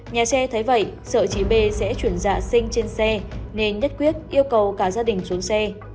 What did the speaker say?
nhà xe thấy vậy sợ trí bê sẽ chuyển dạ sinh trên xe nên nhất quyết yêu cầu cả gia đình xuống xe